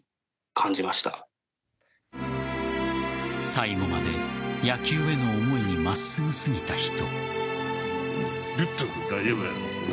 最後まで野球への思いにまっすぐ過ぎた人。